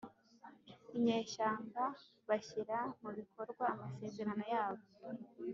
inyeshyamba bashyira mu bikorwa amasezerano yabo.